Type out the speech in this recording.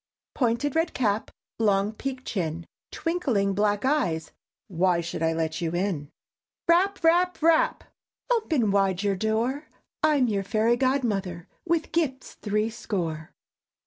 _ "Pointed red cap, Long peakèd chin, Twinkling black eyes, Why should I let you in?" _Rap! Rap! Rap! "Open wide your door, I'm your Fairy Godmother, With gifts threescore!"